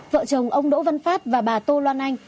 vợ chồng ông đỗ văn phát và bà tô loan anh